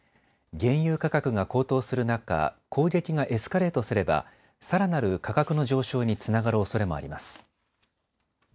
原油価格が高騰する中、攻撃がエスカレートすればさらなる価格の上昇につながるおそれもあります。